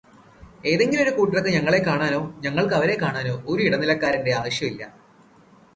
ഏതെങ്കിലും ഒരു കൂട്ടർക്ക് ഞങ്ങളെക്കാണാനോ, ഞങ്ങൾക്ക് അവരെക്കാണാനോ ഒരു ഇടനിലക്കാരന്റെ ആവശ്യമില്ല.